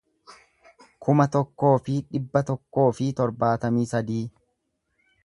kuma tokkoo fi dhibba tokkoo fi torbaatamii sadii